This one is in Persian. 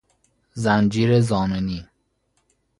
زنجیر ضامنی